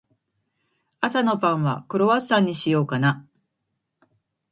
朝のパンは、クロワッサンにしようかな。